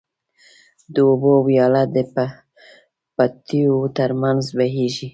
د اوبو وياله د پټيو تر منځ بهيږي.